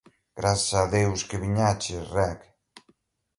Grazas a Deus que viñeches, Reg.